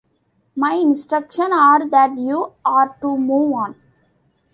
My instructions are that you are to move on.